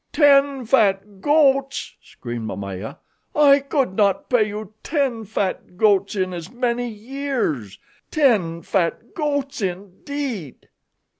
"Ten fat goats!" screamed Momaya. "I could not pay you ten fat goats in as many years. Ten fat goats, indeed!"